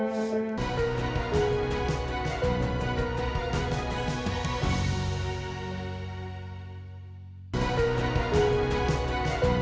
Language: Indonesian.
ia kaya si aa